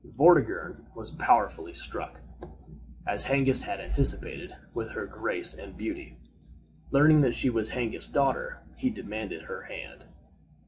Vortigern was powerfully struck, as Hengist had anticipated, with her grace and beauty. Learning that she was Hengist's daughter, he demanded her hand.